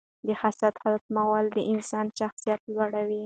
د حسد ختمول د انسان شخصیت لوړوي.